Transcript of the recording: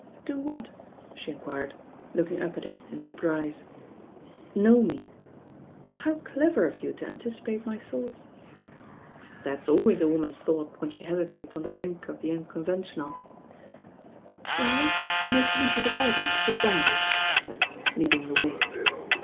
"Do what?" she enquired, looking up at him in surprise. "Know me." "How dever of you to anticipate my thoughts." "That's always a woman's thought when she hesi tates on the brink of the unconventional." 158 THE BAIN GIRL !! "Well, you may come into the garden and sit down," she said leading the way.